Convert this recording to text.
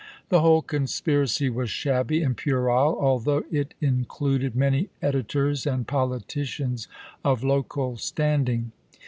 The whole conspiracy was shabby and puerile, although it included many editors and politicians of local standing.